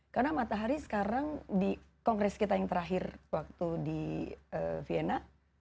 karena matahari sekarang di kongres kita yang terakhir waktu di vienna